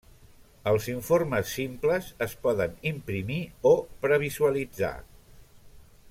Els informes simples es poden imprimir o previsualitzar.